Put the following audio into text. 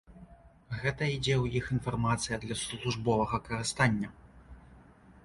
Гэта ідзе ў іх інфармацыя для службовага карыстання.